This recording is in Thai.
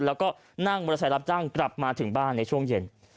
แล้วก็นั่งมอเตอร์ไซค์รับจ้างกลับมาถึงบ้านในช่วงเย็น